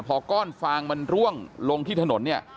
พอก้อนฟางมันร่วงลงที่ถนน